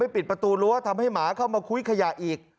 ปิดประตูรั้วทำให้หมาเข้ามาคุ้ยขยะอีก